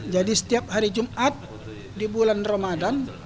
jadi setiap hari jumat di bulan ramadhan